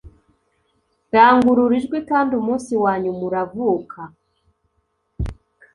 Rangurura ijwi kandi umunsi wanyuma uravuka